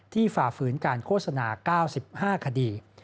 ฝ่าฝืนการโฆษณา๙๕คดี